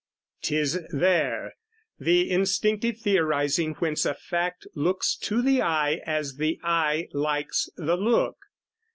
'Tis there The instinctive theorising whence a fact Looks to the eye as the eye likes the look.